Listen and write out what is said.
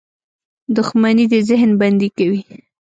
• دښمني د ذهن بندي کوي.